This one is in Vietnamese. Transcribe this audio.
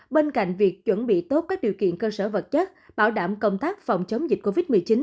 bên cạnh việc chuẩn bị tốt các điều kiện cơ sở vật chất bảo đảm công tác phòng chống dịch covid một mươi chín